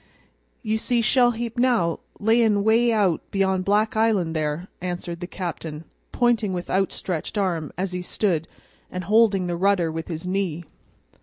"You see Shell heap now, layin' 'way out beyond Black Island there," answered the captain, pointing with outstretched arm as he stood, and holding the rudder with his knee.